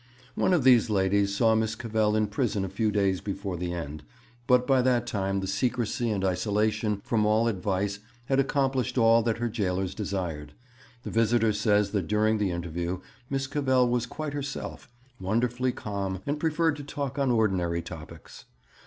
One of these ladies saw Miss Cavell in prison a few days before the end, but by that time the secrecy and isolation from all advice had accomplished all that her jailers desired. The visitor says that during the interview Miss Cavell was quite herself, wonderfully calm, and preferred to talk on ordinary topics.